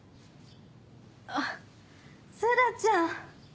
あっ星来ちゃん。